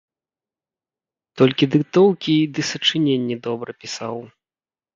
Толькі дыктоўкі ды сачыненні добра пісаў.